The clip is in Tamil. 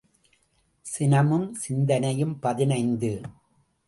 சினமும் சிந்தனையும் பதினைந்து .